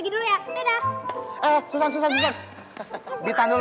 jangan jangan enggak ada papa kok saya mau pergi dulu ya